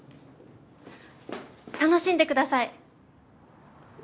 楽しんで下さい！